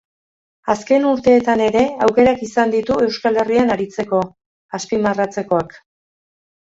Azken urteetan ere, aukerak izan ditu Euskal Herrian aritzeko; azpimarratzekoak.